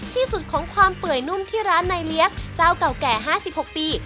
ที่สุดของความเปื่อยนุ่มที่ร้านนายเลี้ยงเจ้าเก่าแก่๕๖ปี